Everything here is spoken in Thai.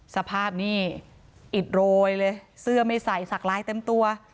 สภาพนี่อิดโรยเลยเสื้อไม่ใส่สักลายเต็มตัว